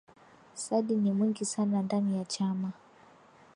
sadi ni mwingi sana ndani ya chama